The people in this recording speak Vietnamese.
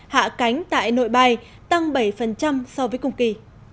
hạ cánh tại nội bài tăng bảy so với cùng kỳ